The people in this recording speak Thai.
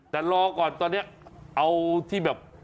แต่รอก่อนตอนนี้เอาที่แบบ